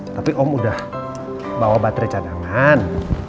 tapi om udah bawa baterai cadangan